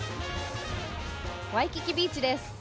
ワイキキビーチです。